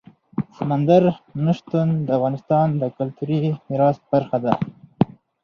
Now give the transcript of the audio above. سمندر نه شتون د افغانستان د کلتوري میراث برخه ده.